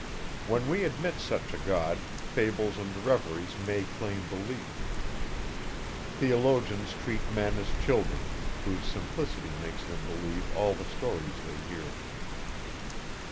When we admit such a God, fables and reveries may claim belief. Theologians treat men as children, whose simplicity makes them believe all the stories they hear.